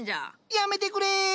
やめてくれ！